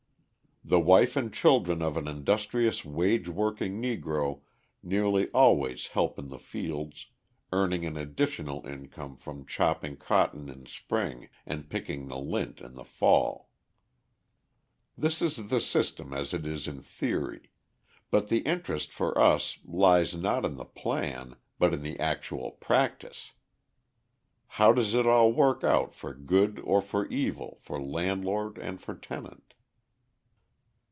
The wife and children of an industrious wage working Negro nearly always help in the fields, earning an additional income from chopping cotton in spring and picking the lint in the fall. This is the system as it is in theory; but the interest for us lies not in the plan, but in the actual practice. How does it all work out for good or for evil, for landlord and for tenant?